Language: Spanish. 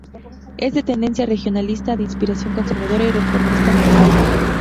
Es de tendencia regionalista, de inspiración conservadora y reformista moderado.